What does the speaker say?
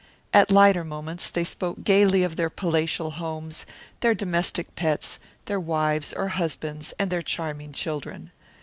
At lighter moments they spoke gayly of their palatial homes, their domestic pets, their wives or husbands and their charming children.